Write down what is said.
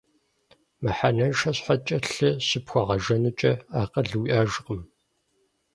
Мыхьэнэншэ щхьэкӀэ лъы щыпхуэгъэжэнукӀэ, акъыл уиӀэжкъым.